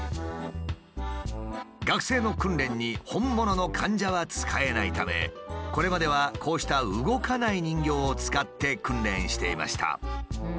学生の訓練に本物の患者は使えないためこれまではこうした動かない人形を使って訓練していました。